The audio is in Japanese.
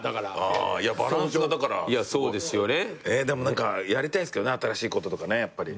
何かやりたいっすけどね新しいこととかやっぱり。